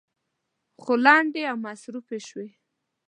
خو لنډې او مصروفې شوې.